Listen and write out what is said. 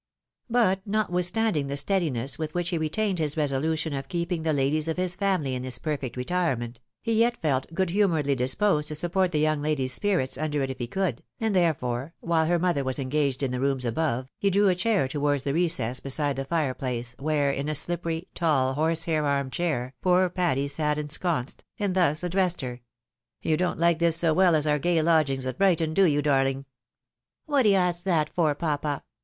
But, notwithstanding the steadiness with which he retained his resolution of keeping the ladies of his family in this perfect retirement, he yet felt good humouredly disposed to support the young lady's spirits under it if he could, and therefore, while her mother was engaged in the rooms above, he drew a chair towards the recess beside the fire place, where, in a slippery, tall, horsehair arm chair, poor Patty sat ensconced, and thus addressed her :—" You don't hke this so well as our gay lodgings at Brighton, do you, darling?" "What d'ye ask that for, papa?